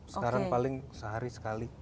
sekarang paling sehari sekali